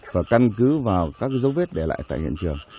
và căn cứ vào các dấu vết để lại tại hiện trường